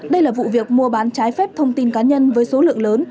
đây là vụ việc mua bán trái phép thông tin cá nhân với số lượng lớn